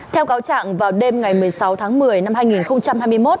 theo cáo trạng vào đêm ngày một mươi sáu tháng một mươi năm hai nghìn hai mươi một